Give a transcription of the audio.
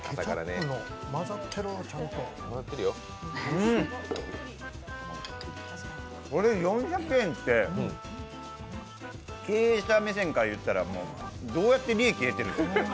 うん、これ４００円って、経営者目線からいったらどうやって利益得てるんですか？